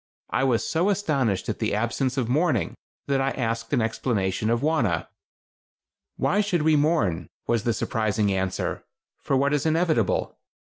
I was so astonished at the absence of mourning that I asked an explanation of Wauna. "Why should we mourn," was the surprising answer, "for what is inevitable?